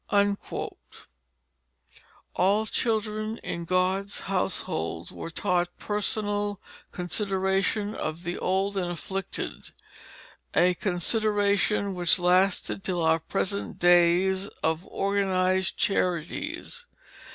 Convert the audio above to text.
All children in godly households were taught personal consideration of the old and afflicted, a consideration which lasted till our present days of organized charities.